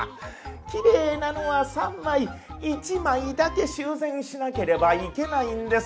きれいなのは３枚１枚だけ修繕しなければいけないんです。